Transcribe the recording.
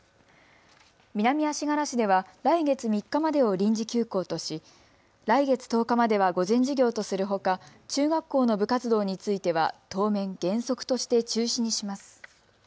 南足柄市では来月３日までを臨時休校とし来月１０日までは午前授業とするほか中学校の部活動については当面原則として中止にします。